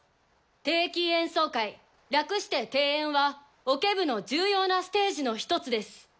定期演奏会略して「定演」はオケ部の重要なステージの１つです。